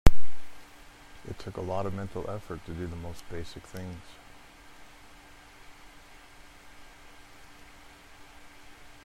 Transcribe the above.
It took a lot of mental effort to do the most basic things.